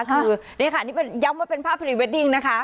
คือนี่ค่ะนี่เป็นย้ำว่าเป็นภาพพรีเวดดิ้งนะคะ